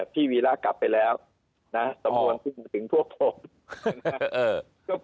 พี่วีระกลับไปแล้วสำนวนถึงสู่พวกผม